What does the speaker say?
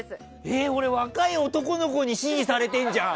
俺、若い男の子に支持されてんじゃん！